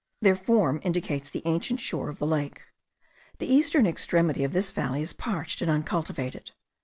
Their form indicates the ancient shore of the lake. The eastern extremity of this valley is parched and uncultivated.